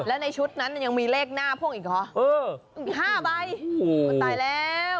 แล้วในชุดนั้นยังมีเลขหน้าพ่วงอีกเหรอเอออีกห้าใบโอ้โหตายแล้ว